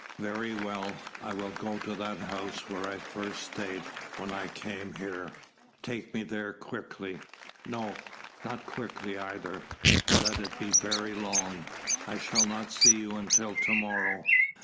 "Very well. I will go to that house where I first stayed when I came here. Take me there quickly no not quickly either let it be very long! I shall not see you until to morrow."